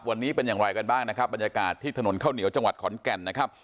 วันนี้เป็นอย่างไรกันบ้างนะครับบรรยากาศที่ถนนข้าวเหนียวจังหวัดขอนแก่นนะครับ